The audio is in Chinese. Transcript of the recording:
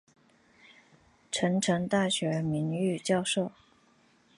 成城大学名誉教授。